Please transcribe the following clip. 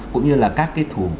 cũng như là các cái thủ